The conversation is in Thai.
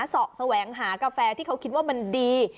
เสาะแสวงหากาแฟที่เขาคิดว่ามันดี